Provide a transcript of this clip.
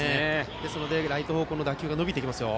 ですのでライト方向の打球が伸びてきますよ。